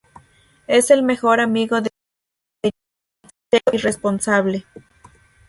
Es el mejor amigo de Jian Yi, serio y responsable.